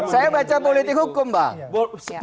loh saya baca politik hukum mbak